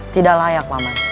tidak layak paman